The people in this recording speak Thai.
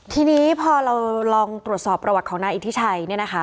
ทีนี้พอเราลองตรวจสอบประวัติของนายอิทธิชัยเนี่ยนะคะ